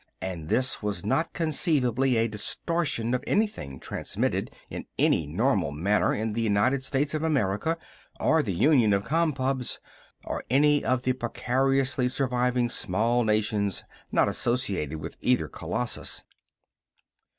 And this was not conceivably a distortion of anything transmitted in any normal manner in the United States of America, or the Union of Compubs, or any of the precariously surviving small nations not associated with either colossus.